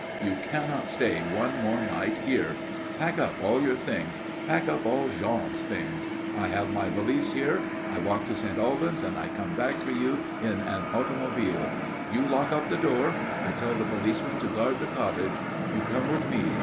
You cannot stay one more night here. Pack up all your things. Pack up all Jean's things. I have my valise here. I walk to St. Albans and I come back for you in an automobile. You lock up the door. I tell the policeman to guard the cottage. You come with me.